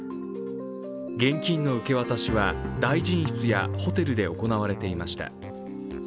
現金の受け渡しは大臣室やホテルで行われていました。